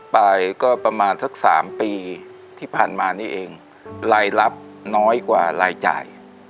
ไปก็ประมาณสักสามปีที่ผ่านมานี่เองรายรับน้อยกว่ารายจ่าย